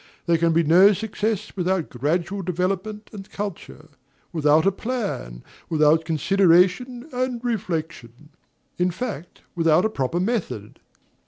There can be no success without gradual development and culture, without a plan, without consideration and reflection, in fact, without a proper method.